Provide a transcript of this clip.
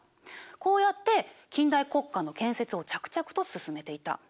こうやって近代国家の建設を着々と進めていた。